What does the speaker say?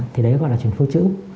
thì đấy gọi là chuyển phôi trữ